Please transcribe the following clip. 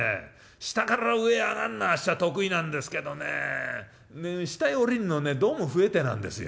下から上へ上がんのはあっしは得意なんですけどねえ下へ下りんのどうも不得手なんですよ。